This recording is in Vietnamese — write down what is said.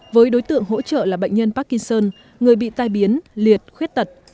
với đối tượng hỗ trợ là bệnh nhân parkinson người bị tai biến liệt khuyết tật